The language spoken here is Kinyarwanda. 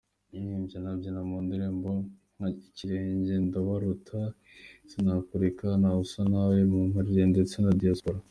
Yaririmbye anabyina mu ndirimbo nka Ikirenge, Ndabaruta, Sinakureka, Ntawusa Nawe, Mumparire ndetse na Diaspora.